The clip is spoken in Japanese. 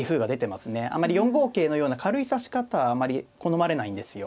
あまり４五桂のような軽い指し方はあまり好まれないんですよ。